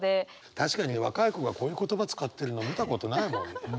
確かに若い子がこういう言葉使ってるの見たことないもん。